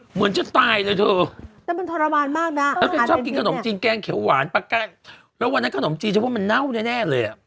เหมือนจะตายเลยเถอะแล้วมันชอบกินขนมจีนแก๊งเขียวหวานปลาแก้งแล้ววันนั้นขนมจีนชอบว่ามันเน่าแน่เลยอะ